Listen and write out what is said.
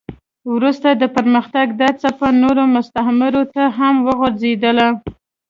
وروسته د پرمختګ دا څپه نورو مستعمرو ته هم وغځېده.